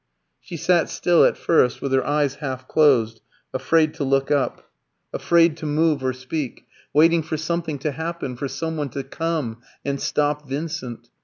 She sat still at first, with her eyes half closed, afraid to look up, afraid to move or speak, waiting for something to happen, for some one to come and stop Vincent.